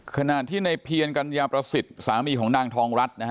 ขนาดที่ในเพียรกัญญาประสิทธิ์สามีของนางทองราว